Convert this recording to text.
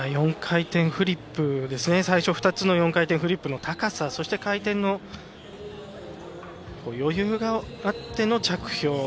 ４回転フリップですね最初２つの４回転フリップの高さそして回転の余裕があっての着氷。